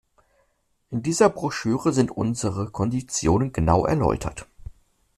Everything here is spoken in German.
In dieser Broschüre sind unsere Konditionen genau erläutert.